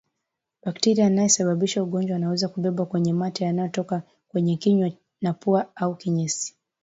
Bakteria anayesababisha ugonjwa anaweza kubebwa kwenye mate yanayotoka kwenye kinywa na pua au kinyesi